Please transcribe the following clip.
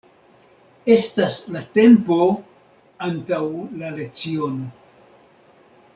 Estas la tempo antaŭ la leciono.